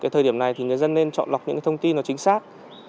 thời điểm này thì người dân nên chọn lọc những thông tin nó chính xác